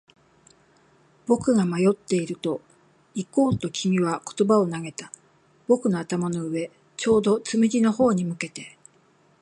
僕が迷っていると、行こうと君は言葉を投げた。僕の頭の上、ちょうどつむじの方に向けて。